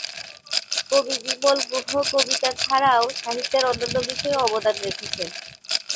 কবি বিমল গুহ কবিতা ছাড়াও সাহিত্যের অন্যান্য বিষয়েও অবদান রেখেছেন।